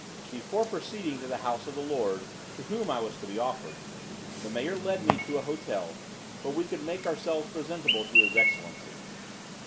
Before proceeding to the house of the lord, to whom I was to be offered, the mayor led me to a hotel, where we could make ourselves presentable to his excellency.